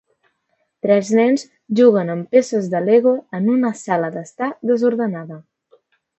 Tres nens juguen amb peces de Lego en una sala d'estar desordenada.